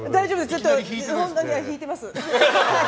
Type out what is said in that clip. ちょっと旦那に引いてます。